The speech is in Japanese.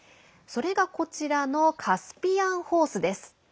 それが、こちらのカスピアンホースです。